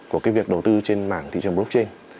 của cái việc đầu tư trên mạng thị trường blockchain